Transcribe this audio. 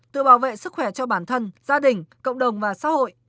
tự bảo vệ sức khỏe cho bản thân gia đình cộng đồng và xã hội